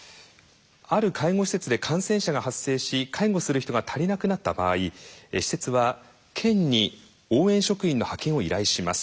ある介護施設で感染者が発生し介護する人が足りなくなった場合施設は県に応援職員の派遣を依頼します。